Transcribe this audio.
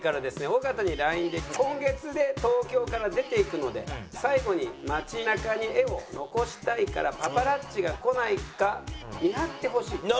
尾形にＬＩＮＥで今月で東京から出て行くので最後に街中に画を残したいからパパラッチが来ないか見張ってほしい。